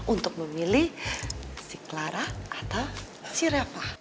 untuk memilih si clara atau si reva